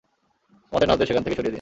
আমাদের নার্সদের সেখান থেকে সরিয়ে দিন!